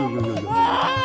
yuk yuk yuk